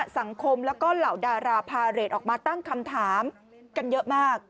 สังคมแล้วก็เหล่าดาราพาเรทออกมาตั้งคำถามกันเยอะมาก